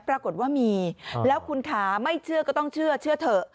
ปรากฏว่ามีแล้วคุณขาไม่เชื่อก็ต้องเชื่อเชื่อเถอะ